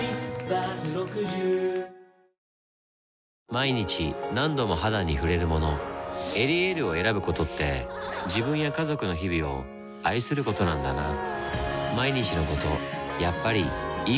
毎日何度も肌に触れるもの「エリエール」を選ぶことって自分や家族の日々を愛することなんだなぁ